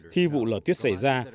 khi vụ lở tuyết xảy ra